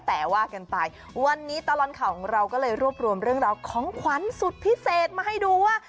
แต่ว่ากันไปวันนี้ตลอดข่าวของเราก็เลยรวบรวมเรื่องราวของขวัญสุดพิเศษมาให้ดูว่า